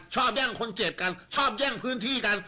แย่งคนเจ็บกันชอบแย่งพื้นที่กัน